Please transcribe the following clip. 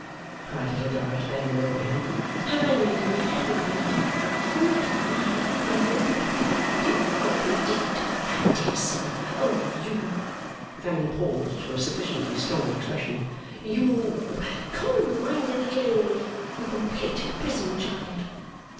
cried Little Dorrit, bending over him. 'Have I made you unhappy, father? Not I, I hope!' 'You hope, indeed! I dare say! Oh, you' Fanny paused for a sufficiently strong expression 'you Common minded little Amy! You complete prison child!